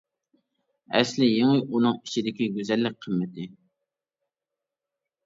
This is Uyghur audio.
ئەسلى يېڭى ئۇنىڭ ئىچىدىكى گۈزەللىك قىممىتى.